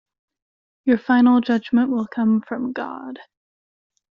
Your final judgment will come from God.